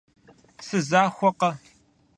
Сызахуэкъэ?